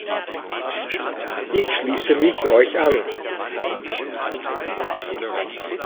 Ich schließe mich euch an.